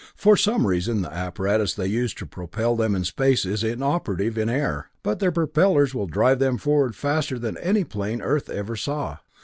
For some reason the apparatus they use to propel them in space is inoperative in air, but their propellers will drive them forward faster than any plane Earth ever saw.